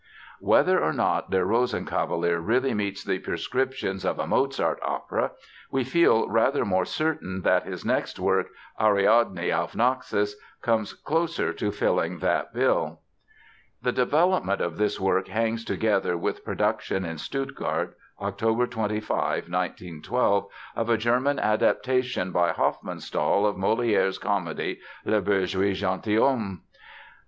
Whether or not "Der Rosenkavalier" really meets the prescriptions of a "Mozart opera" we feel rather more certain that his next work, Ariadne auf Naxos comes closer to filling that bill. The development of this work hangs together with production in Stuttgart, October 25, 1912, of a German adaptation by Hofmannsthal of Molière's comedy Le Bourgeois Gentilhomme.